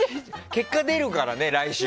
結果が出るからね、来週。